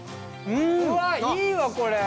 うわっいいわこれ！